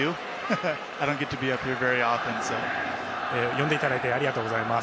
呼んでいただいてありがとうございます。